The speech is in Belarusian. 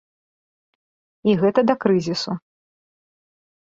І гэта да крызісу.